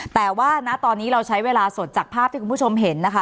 แต่ว่าณตอนนี้เราใช้เวลาสดจากภาพที่คุณผู้ชมเห็นนะคะ